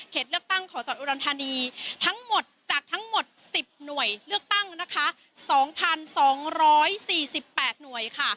เขตเลือกตั้งของจอดอุดรธานีทั้งหมดจากทั้งหมดสิบหน่วยเลือกตั้งนะคะสองพันสองร้อยสี่สิบแปดหน่วยค่ะ